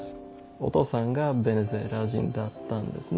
お父さんがベネズエラ人だったんですね。